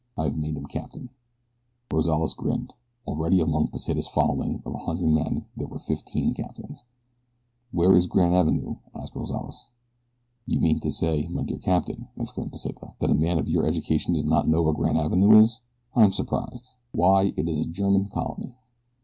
I have made him a captain." Rozales grinned. Already among Pesita's following of a hundred men there were fifteen captains. "Where is Granavenoo?" asked Rozales. "You mean to say, my dear captain," exclaimed Pesita, "that a man of your education does not know where Granavenoo is? I am surprised. Why, it is a German colony."